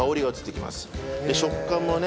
食感もね